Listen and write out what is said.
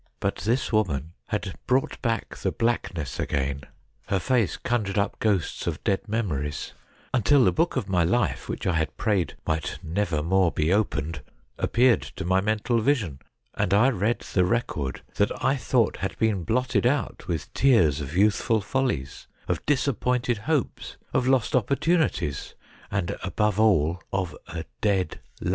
But this woman had brought back the blackness again ; her face conjured up ghosts of dead memories, until the book of my life, which I had prayed might never more be opened, appeared to my mental vision, and I read the record that I thought had been blotted out with tears of youthful follies, of disappointed hopes, of lost oppor tunities, and, above all, of a dead love.